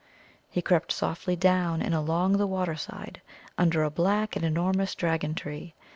He crept softly down and along the water side, under a black and enormous dragon tree.